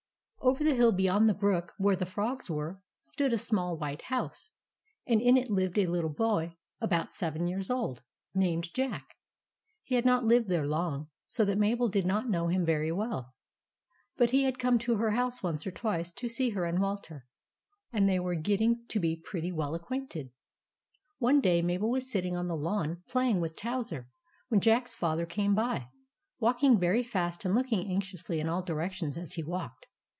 Over the hill beyond the brook where the Frogs were, stood a small white house, and in it lived a little boy about seven years old, named Jack. He had not lived there long, so that Mabel did not know him very well ; but he had come to her house once or twice to see her and Walter, and they were get THE RESCUE OF JACK 207 ting to be pretty well acquainted. One day Mabel was sitting on the lawn playing with Towser, when Jack's Father came by, walk ing very fast and looking anxiously in all directions as he walked.